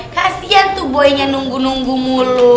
kasian tuh buayanya nunggu nunggu mulu